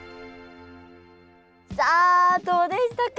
さあどうでしたか？